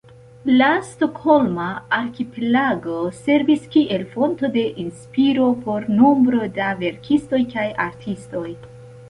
La Stokholma arkipelago servis kiel fonto de inspiro por nombro da verkistoj kaj artistoj.